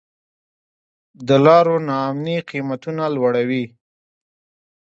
د لارو نا امني قیمتونه لوړوي.